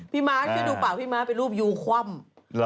ม้าช่วยดูเปล่าพี่ม้าเป็นรูปยูคว่ำ